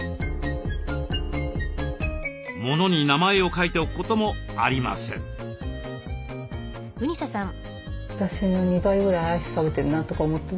物に名前を書いておくこともありません。